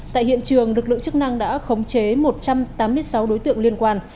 tại hiện trường lực lượng chức năng đã khống chế một trăm tám mươi sáu đối tượng liên quan